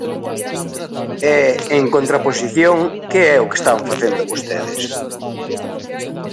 ¿E, en contraposición, que é o que están facendo vostedes?